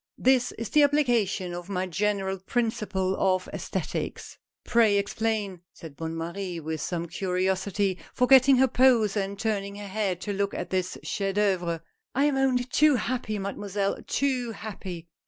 " This is the application of my general principle of sesthetics." " Pray explain," said Bonne Marie with some curi osity, forgetting her pose and turning her head to look at this chef d' ceuvre, "I am only too happy. Mademoiselle, too happy.